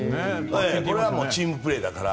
これはチームプレーだから。